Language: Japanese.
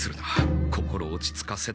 心を落ち着かせて。